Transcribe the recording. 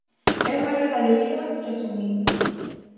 É unha regra de vida que asumín.